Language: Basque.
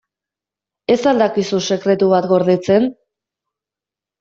Ez al dakizu sekretu bat gordetzen?